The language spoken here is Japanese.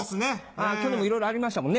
去年もいろいろありましたもんね。